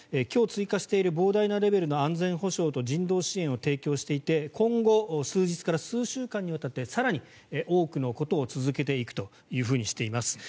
今日追加している膨大なレベルの安全保障と人道支援を提供していて今後、数日から数週間にわたって更に多くのことを続けていくとしています。